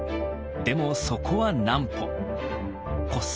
でもそこは南畝。